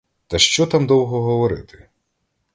Та що там довго говорити!